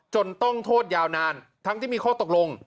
ต้องโทษยาวนานทั้งที่มีข้อตกลง